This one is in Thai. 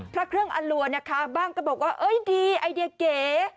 พระเครื่องอลัวนะคะบ้างก็บอกว่าเอ้ยดีไอเดียเก๋